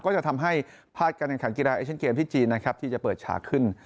ก็จะทำให้พลาดการแข่งขันกีฬาเอเชียนเกมที่จีนนะครับที่จะเปิดฉากขึ้น